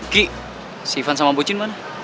gak ada fitur